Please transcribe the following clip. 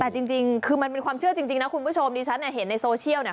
แต่จริงคือมันเป็นความเชื่อจริงนะคุณผู้ชมดิฉันเนี่ยเห็นในโซเชียลเนี่ย